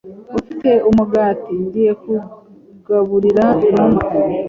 Ufite umugati? Ngiye kugaburira inuma.